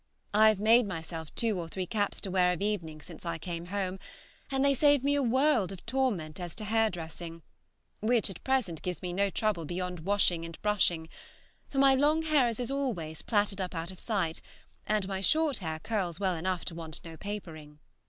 I have made myself two or three caps to wear of evenings since I came home, and they save me a world of torment as to hairdressing, which at present gives me no trouble beyond washing and brushing, for my long hair is always plaited up out of sight, and my short hair curls well enough to want no papering.